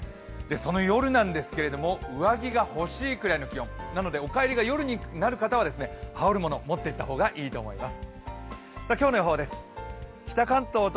その夜ですけども、上着が欲しいぐらいの気温なのでお帰りが夜になる方は羽織る物を持っていった方がいいと思います。